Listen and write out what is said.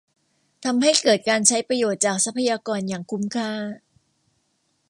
ทำให้เกิดการใช้ประโยชน์จากทรัพยากรอย่างคุ้มค่า